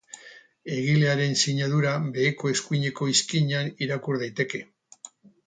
Egilearen sinadura beheko eskuineko izkinan irakur daiteke.